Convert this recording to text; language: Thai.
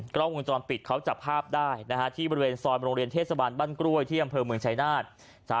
กล้องวงจรปิดเขาจับภาพได้ที่บริเวณซอยโรงเรียนเทศบาลบ้านกล้วยที่อำเภอเมืองชายนาฏ